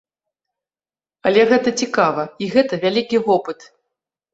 Але гэта цікава і гэта вялікі вопыт.